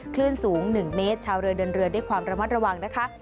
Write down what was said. คลื่นสูง๑เมตรชาวเรือเดินเรือด้วยความระมัดระวังนะคะ